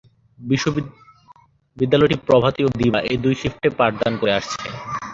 বিদ্যালয়টি প্রভাতি ও দিবা-এই দুই শিফটে পাঠদান করে আসছে।